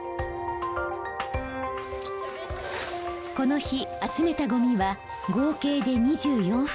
この日集めたゴミは合計で２４袋。